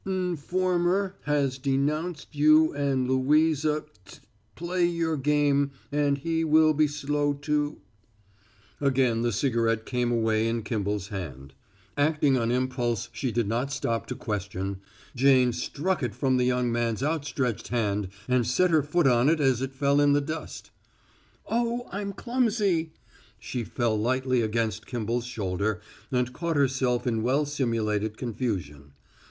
" nformer has denounced you and Louisa t play your game and he will be slow to " Again the cigarette came away in Kimball's hand. Acting on impulse she did not stop to question, Jane struck it from the young man's outstretched hand and set her foot on it as it fell in the dust. "Oh, I'm clumsy!" She fell lightly against Kimball's shoulder and caught herself in well simulated confusion.